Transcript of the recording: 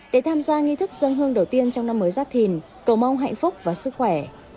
để tham gia nghi thức dân hương đầu tiên trong năm mới giáp thìn cầu mong hạnh phúc và sức khỏe